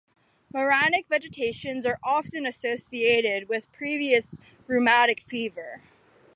Marantic vegetations are often associated with previous rheumatic fever.